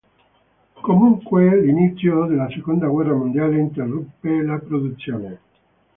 Comunque, l'inizio della seconda guerra mondiale interruppe la produzione.